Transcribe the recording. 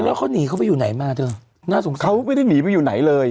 แล้วเขาหนีเขาไปอยู่ไหนมาเธอน่าสงสัยเขาไม่ได้หนีไปอยู่ไหนเลย